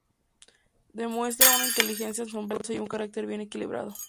Demuestra una inteligencia asombrosa y un carácter bien equilibrado.